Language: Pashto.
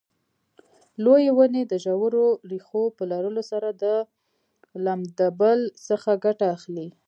لویې ونې د ژورو ریښو په لرلو سره د لمدبل څخه ګټه اخلي.